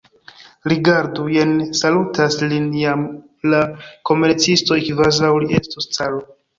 Rigardu, jen salutas lin jam la komercistoj, kvazaŭ li estus caro.